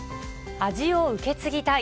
味を受け継ぎたい。